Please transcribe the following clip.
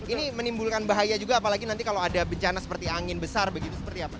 ini menimbulkan bahaya juga apalagi nanti kalau ada bencana seperti angin besar begitu seperti apa